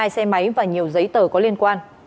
hai xe máy và nhiều giấy tờ có liên quan